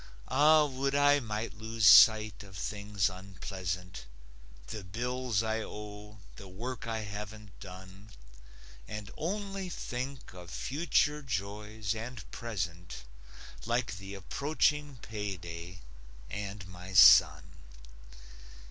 Ah, would I might lose sight of things unpleasant: The bills I owe; the work I haven't done. And only think of future joys and present, Like the approaching payday, and my son.